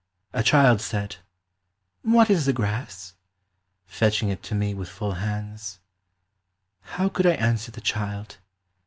A child said What is the grass f fetching it to me with full hands ; How could I answer the child